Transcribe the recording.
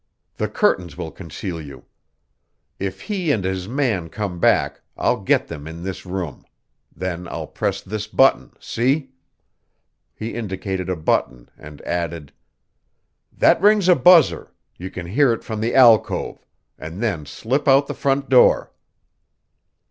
"The curtains will conceal you. If he and his man come back I'll get them in this room then I'll press this button, see?" He indicated a button and added: "That rings a buzzer; you can hear it from the alcove, and then slip out the front door."